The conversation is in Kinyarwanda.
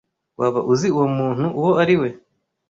Waba uzi uwo muntu uwo ari we?